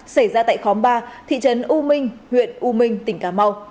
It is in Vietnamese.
xảy ra tại khóm ba thị trấn u minh huyện u minh tỉnh cà mau